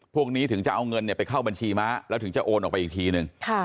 พวกนี้ถึงจะเอาเงินไปเข้าบัญชีม้าแล้วถึงจะโอนออกไปอีกทีนึง